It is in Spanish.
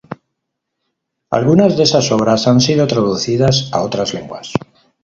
Algunas de sus obras han sido traducidas a otras lenguas.